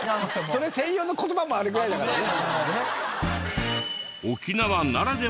それ専用の言葉もあるぐらいだからね。